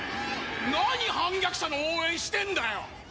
何反逆者の応援してんだよ！